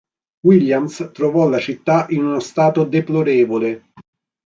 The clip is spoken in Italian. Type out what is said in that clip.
Williams trovò la città in uno stato deplorevole.